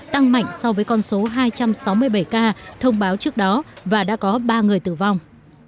tăng mạnh so với con số hai trăm sáu mươi bảy ca thông báo trước đó và đã có ba người tử vong